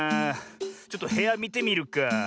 ちょっとへやみてみるか。